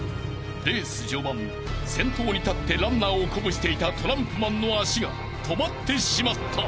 ［レース序盤先頭に立ってランナーを鼓舞していたトランプマンの足が止まってしまった］